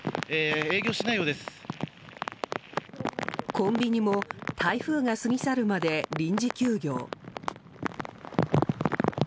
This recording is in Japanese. コンビニも台風が過ぎ去るまで臨時休業。